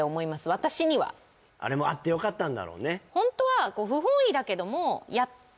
私にはあれもあってよかったんだろうね